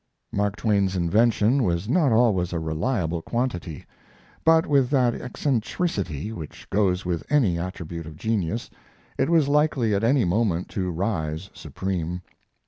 Mark Twain's invention was not always a reliable quantity, but with that eccentricity which goes with any attribute of genius, it was likely at any moment to rise supreme.